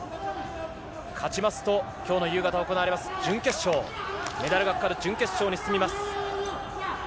勝ちますと夕方行われる準決勝、メダルがかかる準決勝に進みます。